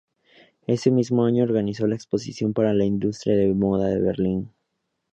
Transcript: Ese mismo año organizó la Exposición para la Industria de la Moda en Berlín.